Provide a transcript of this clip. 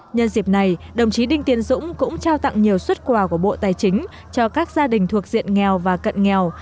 nhân dịp này đồng chí đinh tiên dũng cũng trao tặng nhiều xuất quà của bộ tài chính cho các gia đình thuộc diện nghèo và cận nghèo